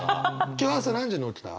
今日朝何時に起きた？